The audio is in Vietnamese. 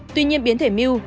tuy nhiên biến thể mew